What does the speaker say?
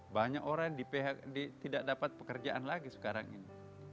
banyak orang tidak dapat pekerjaan lagi sekarang ini